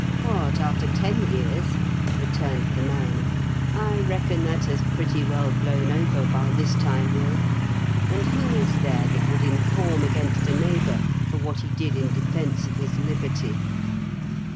What, after ten years?" returned the mariner. "I reckon that has pretty well blown over by this time. Will ; and who is there that would inform against a neighbour for what he did in defence of his liberty